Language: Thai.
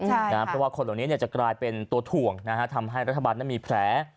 เพราะว่าคนเหล่านี้จะกลายเป็นตัวถ่วงทำให้รัฐบาลนั้นมีแผล